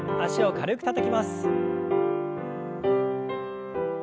脚を軽くたたきます。